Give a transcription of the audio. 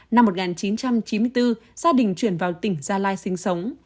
năm một nghìn chín trăm chín mươi bốn gia đình chuyển vào tỉnh gia lai sinh sống